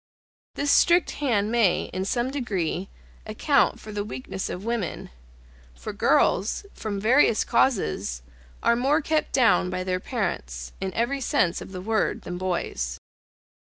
This strict hand may, in some degree, account for the weakness of women; for girls, from various causes, are more kept down by their parents, in every sense of the word, than boys.